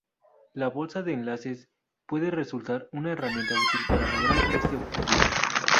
La bolsa de enlaces puede resultar una herramienta útil para lograr este objetivo.